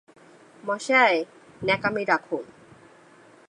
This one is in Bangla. মশায়, ন্যাকামি রাখুন।